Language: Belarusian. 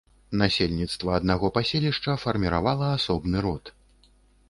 Насельніцтва аднаго паселішча фарміравала асобны род.